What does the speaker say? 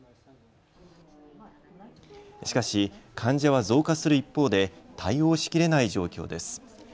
しかし、患者は増加する一方で対応しきれない状況です。